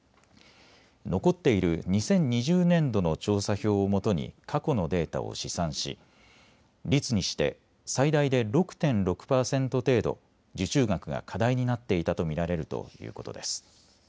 残っている２０２０年度の調査票をもとに過去のデータを試算し率にして最大で６．６％程度受注額が過大になっていたと見られるということです。